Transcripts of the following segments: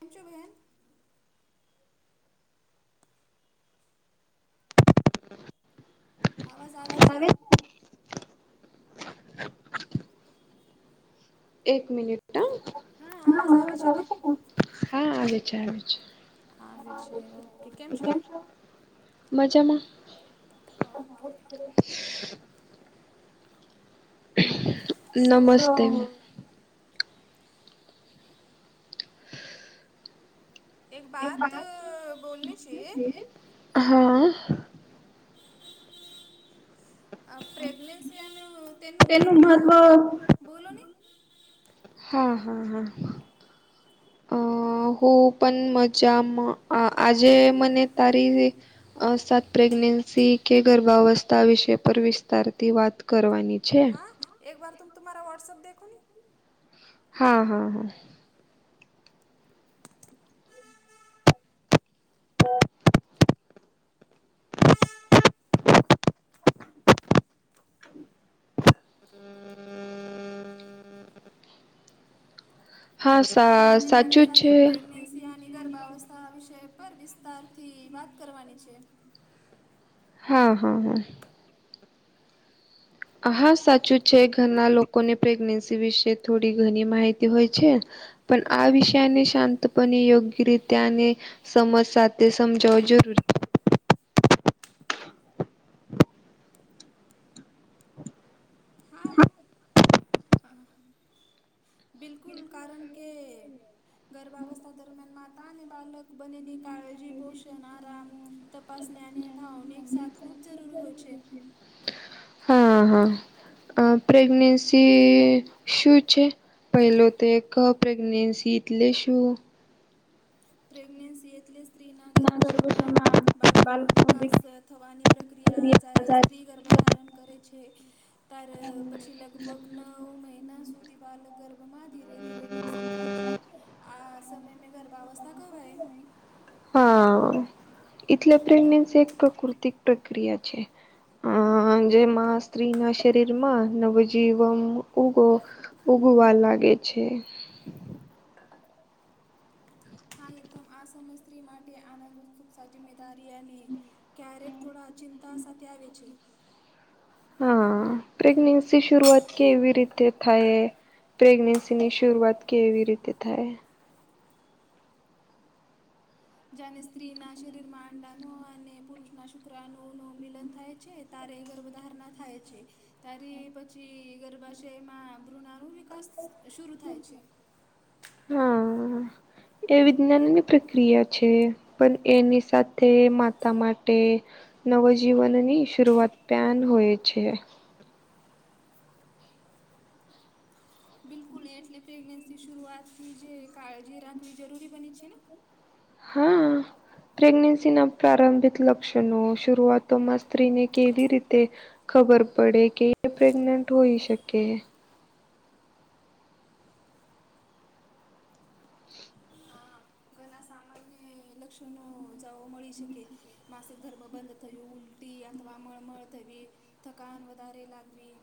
તમચ ભાઈન- - અવાજ આવે છે? એક મિનિટ હા આવાજ આવે છે કે આવે છે આવે છે. આવે છે ઓકે કેમ છો? મજામાં? હ ઓકે- - [inaudible] સો નમસ્તે- - એક બાત બોલની છે- - હા. પ્રેગ્નેન્સી અને તેનું મહત્વ બોલો ને? હા હા હા. હો પણ મજા આજે મને તારી- - અ સાત પ્રેગ્નેન્સી કે ગર્ભાવસ્થા વિષય પર વિસ્તારતી વાત કરવાની- - હા એક બર તુમે ત તમારા વોટ્સઅપ દખો ને? હા હા હા. હ- - [inaudible] આજમાને તારી સાચું છે સાથે પ્રેગ્નેન્સી- - ગર્ભાવસ્થા વિશે પર વિસ્તારથી વાત કરવાની છે હા હા હા- - હા સાચું છે ઘરના લોકોને પ્રેગનેન્સી વિશે થોડી ઘણી માહિતી હોય છે. પણ આ વિષયાને શાંતપણે યોગ્ય રીત્યાને- - સમજ સાથે સમજાવો જરૂરી? હ- - હા- - બિલકુલ કારણ કે ગર્ભાવસ્થા દરમિયાનમાં- - માતા અને બાલક બનેની કાળજી પોષણ આરામ તપાસનેને ભાવનિક સાથ- - ખૂબ જરૂરી હોય છે. હા હા પ્રેગ્નેન્સી શું છે? પહેલો તો એક પ્રેગનેન્સી એટલે શું? પ્રેગ્નેન્સી એટલે- - સ્ત્રીના ગર્ભશયમાં બાળકોનો વિકાસ થવાની પ્રક્રિયા જ્યારે- - સ્ત્રી ગર્ભ ધારણ કરે છે. ત્યારે પછી લગભગ નવ મહિના સુધી બાલ ગર્ભમાં ધીરે ધીરે વિકસિત થાય છે. આ સમય મે ગર્ભાવસ્થા કવાય. હા લે પ્રેરને એક પ્રાકૃતિક પ્રક્રિયા છે. અ જેમાં સ્ત્રી ના શરીર માં નવજીવન ઉગો- - ઉગવા લાગે છે. હા એકદમ આ સમય સ્ત્રી માટે આનંદ ઉત્સુકતા જિમ્મેદારી અને- - ક્યારેક થોડા ચિંતા સાથે આવે છે. હા પ્રેગનેન્સી શરૂઆત કેવી રીતે થાય? પ્રેગ્નન્સીની શરૂઆત કેવી રીતે થાય જાને સ્ત્રી ના શરીરમાં અંડાનો અને પુરુષ ના શુક્રરાણ ન મિલન થાય છે તારે ગર્ભધારણા થાય છે તારી પછી ગર્ભાશયમાં ભૂણાનું શરૂ થાય છે હા એ વિજ્ઞાન ની પ્રક્રિયા છે પણ એની સાથે માતા માટે નવજીવનની સુરઆત પ્યાન હોય છે. બિલકુલ એટલે પ્રેગ્નેન્સી શરૂઆતથી જે કાળજી રાખવી જરૂરી બની છે ને. હમ. પ્રેગ્નેન્સી ના પ્રારંભિક લક્ષણો શરૂઆતોમાં સ્ત્રીને કેવી રીતે ખબર પડે કે પ્રેગ્નેન્ટ હોઈ શકે. ઘના સામાન્ય લક્ષણો જાવા મળી શકે. માસિક ધર્મ બંધ થયું ઉલટી અથવા મમળ થવી. થકાન વધારે લાગવી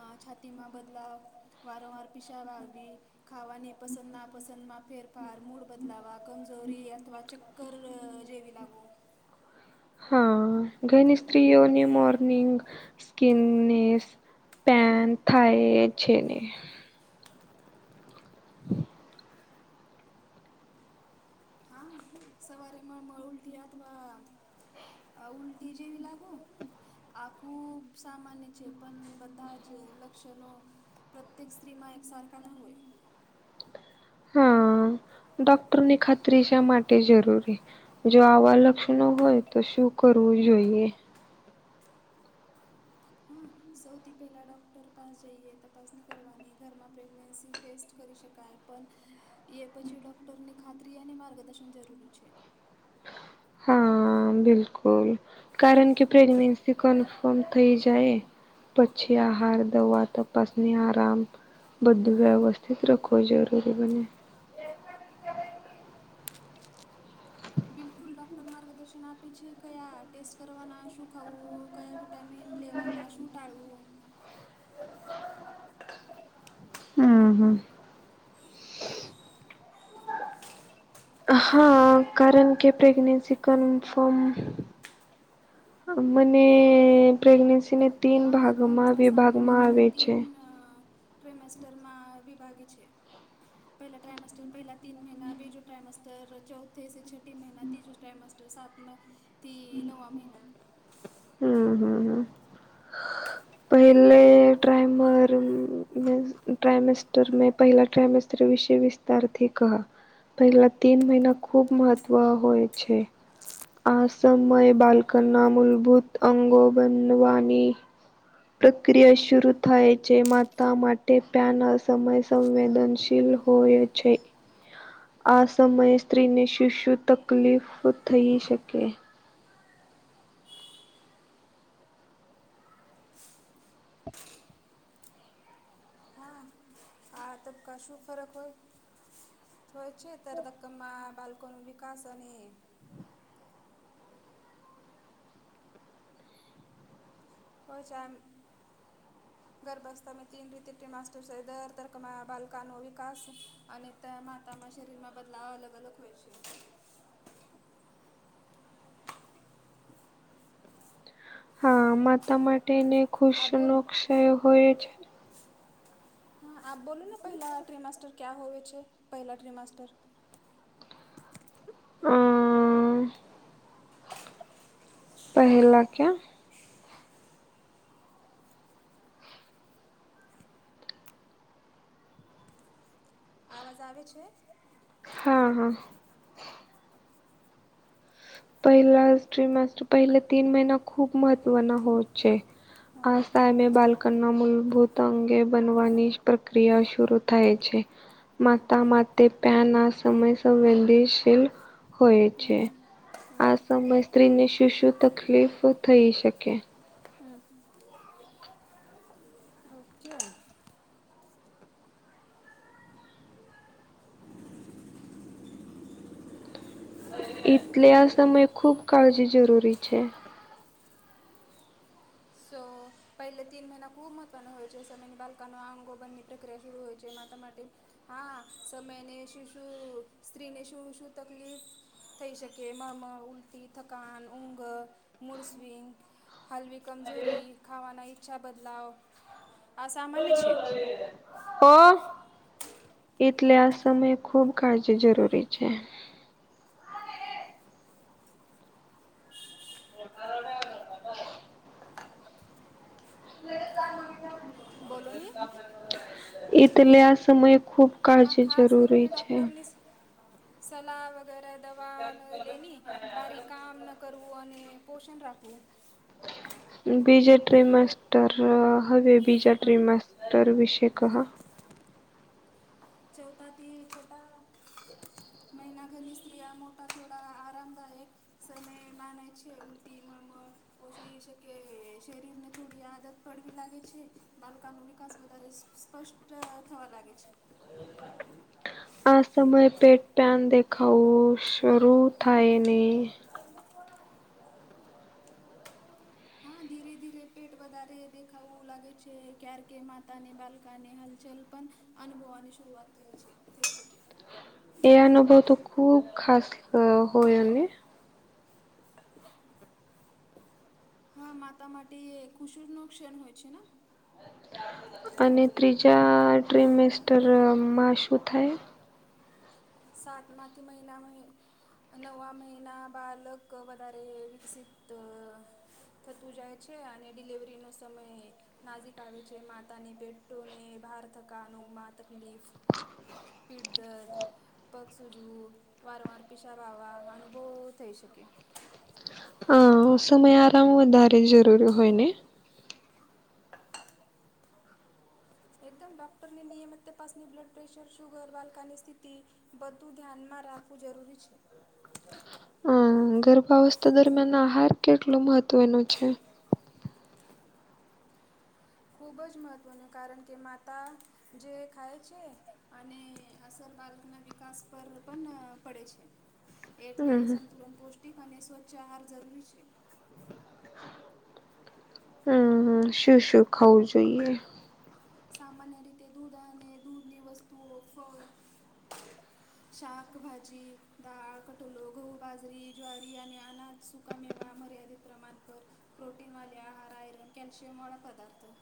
આ છાતીમાં બદલાવ વારંવાર પિશાબ આવવી ખાવાની પસંદ ના પસંદમાં ફેરફાર મૂળ બદલાવા કમજોરી અથવા ચક્કર જેવી લાગો હા ઘની સ્ત્રીઓની મોર્નિંગ સ્કીિનનેસ પેન થાય છે ને [inaudible] હા સવારે મળમળ ઉલટી આત વા આ ઉલટી જેવી લાગો આખું સામાન્ય છે પણ બધા જ લક્ષણો પ્રત્યેક સ્ત્રીમાં એકસારખા ના હોય. હા ડોક્ટરની ખાતરી શા માટે જરૂરી? જો આવા લક્ષણો હોય તો શું કરવું જોઈએ? હા સૌથી પહેલા ડોક્ટર પાસ જઈએ તપાસણી કરવાની ઘરમાં પ્રેગ્નેન્સી ટેસ્ટ કરી શકાય. પણ એ પછી ડોક્ટરની ખાતરી માર્ગદર્શન જરૂરી છે. હા બિલકુલ કારણ કે પ્રેગ્નેન્સી કન્ફર્મ થઈ જાય પછી આહાર દવા તપાસને આરામ બધું વ્યવસ્થિત રાખવું જરૂરી બને. [inaudible] બિલકુલ ડોક્ટર માર્ગદર્શન આપી છે કયા ટેસ્ટ કરવાના શું ખાવું કયા વિટામિન લેવાના શું ટાળવું? હમ હમ હા કારણ કે પ્રેગનેન્સી કન્ફર્મ અમને પ્રેગનેનસી ન હા ગર્ભાવસ્થા સામાન્ય રીતે તીન છે. ટેમેસ્ટરમાં વિભાગે છે. પહેલા ટાઈમસ્ટર પહેલા તીન મહિના બીજો ટાઈમસ્ટર ચોથથે સ છઠટી મહિના તીજો ટાઈમસ્ટર સાતમાં થી નવા મહિના હમ હમ હમ. પહેલે ડ્રમર મે ટ્રમેસ્ટર મે પહેલા ટ્રમેસ્ટર વિશે વિત તારથી ક પહેલા તીન મહિના ખૂબ મહત્વ હોય છે. આ સમયે બાલ્કનના મૂળભૂત અંગો બનવાની પ્રક્રિયા શરૂ થાય છે માતા માટે પ્યાન અ સમય સંવેદનશીલ હોય છે. આ સમયે સ્ત્રીને શું શું તકલીફ થઈ શકે? હા આ તબકા શું ફરક હોય હોય છે તર કમાં બાલ્કોનો વિકાસ અને પચ આમ [inaudible] ગર્ભવસ્થામાં તીન રી મા દર તરકમા બલકાનો વિકાસ અને ત માતામાં શરીરમાં બદલાવ અલગ અલગ હોય છે. હા માતા માટેને ખુશ આ નો બોલ ક્ષય હોય છે. હા આ બોલુંને પહેલા ટ્રિમાસ્ટર ક્યા હોવે છે પહેલા ટ્રિમાસ્ટર હમ. પહેલા કે આવાજ આવે છે. હા હા. પહેલા સ્ટ્રીમ માસ્ટર પહેલા તીન મહિના ખૂબ મહત્વના હોય છે. આ સામે બાલ્કનના મૂળભૂત અંગે બનવાની પ્રક્રિયા શરૂ થાય છે. માતા માથે [unintelligible] સમય સંવેદનશીલ હોય છે. આ સમયે સ્ત્રીને શું શું તકલીફ થઈ શકે. ઓકે એટલે આ સમયે ખૂબ કાળજી જરૂરી છે. સો પહેલે તીન મહિના ખૂબ મહત્વનો હોય છે સમયની બાલકા અંગોબરની પ્રક્રિયા શરૂ હોય છે માતા માટે. હા સમયને શું શું સ્ત્રીને શું શું તકલીફ થઈ શકે મમ ઉલટી થકાન ઊંઘ મુળસ્વિંગ હલ્વી કમજોરી ખાવાના ઈચ્છા બદલાવ આ સામાન્ય છે. ઓ એટલે આ સમયે ખૂબ કાળજી જરૂરી છે. બોલો ની. એટલે આ સમયે ખુબ હા કાળજી ખાસ જરૂરી કરીને છે. ડૉક્ટરની સલાહ વગેર દવા ન લેની બારી કામ ન કરવું અને પોષણ રાખવું. બીજા ટ્રી માસ્ટર હવે બીજા હા ટ્રી માસ્ટર વિશે કહા. ચથાથી છોટા મહિના ઘરની સ્ત્રીિયા મોટા થોડા આરામદાયક સમય માના છે ઉલટી [unintelligible] ઓછી શકે શરીર ને થોડી આદત પડવી લાગે છે બાલકા નો નિકાસ વધારે સ સ્પષ્ટ થવા લાગે છે. આ સમયે પેટન દેખાવું શરૂ થાય ને હા ધીરે ધીરે પેટ વધારે દેખાવવું લાગે છે કારકે માતા ને બાલકા ને હલચલ પણ અનુભવવાની શરૂઆત થઈ છે થકી શકે. એ અનુભવ તો ખુબ ખાસ હોય અને હા માતા માટે ખુસૂર નો શેના હોય છે ના. અને ત્રીજા ટ્રીમેસ્ટરમાં શું થાય. સાતમાંથી મહિના મે નવા મહિના બાળક વધારે વિકસિત થતું જાય છે અને ડિલિવરીનો સમય નાજીક આવે છે માતાને બેટોને બાર થકાનો માં તકલીફ. પીડધર પગ સૂજવું વારંવાર પિશાબ આવા અનુભવ થઈ શકે. હા સમય આરામ વધારે જરૂરી હોય ને. [inaudible] એકદમ ડોક્ટરની નિયમિત તપાસની બ્લડ પ્રેશર શુગર બાલકાની સ્થિતિ બધું ધ્યાનમાં રાખવું જરૂરી છે. અ ગર્ભાવસ્થા દરમિયાન આહાર કેટલો મહત્વનો છે. ખૂબ જ મહત્ત્વનું કારણ કે માતા જે ખાય છે. અને અસર બાળકના વિકાસ પર પણ પડે છે. હમ એટલે હમ સંતુલન પૌષ્ટિક અને સ્વચ્છ આહાર જરૂરી છે. હમ્મ હામ શું શું ખાવું જોઈએ. સામાન્ય રીતે દૂધ અને દૂધની વસ્તુઓ ફળ [inaudible] શાકભાજી દાળ કટોલો ઘઉ બાજરી જ્વારી અને અનાજ સુ ક મેવા મર્યાદિત પ્રમાણ પર પ્રોટીન વાળી આહાર આયરન કૅલ્શિયમ વાળા પદાર્થો.